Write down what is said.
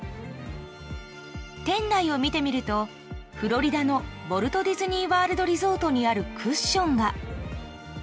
店内を見てみると、フロリダのウォルト・ディズニー・ワールド・リゾートにあるクッションが。